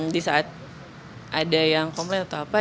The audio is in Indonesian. di saat ada yang komplain atau apa